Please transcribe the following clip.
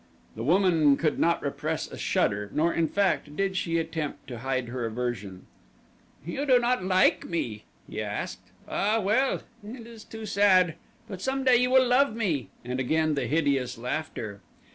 The woman could not repress a shudder, nor, in fact, did she attempt to hide her aversion. "You do not like me?" he asked. "Ah, well; it is too sad. But some day you will love me," and again the hideous laughter.